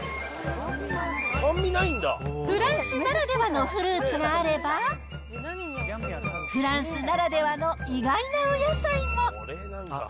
フランスならではのフルーツがあれば、フランスならではの意外なお野菜も。